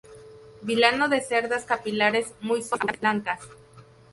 Vilano de cerdas capilares muy suaves, abundantes, blancas.